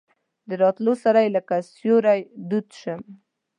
د راتلو سره یې لکه سیوری دود شم.